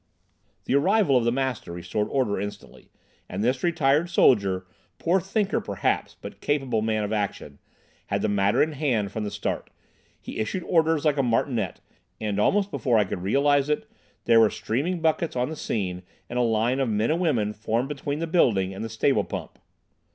The arrival of the master restored order instantly, and this retired soldier, poor thinker perhaps, but capable man of action, had the matter in hand from the start. He issued orders like a martinet, and, almost before I could realise it, there were streaming buckets on the scene and a line of men and women formed between the building and the stable pump.